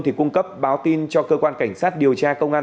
thì cung cấp báo tin cho cơ quan cảnh sát điều tra công an